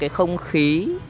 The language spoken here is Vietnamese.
cái không khí